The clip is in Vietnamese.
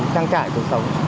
trang trải cuộc sống